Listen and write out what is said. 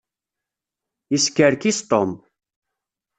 Yeskerkis Tom.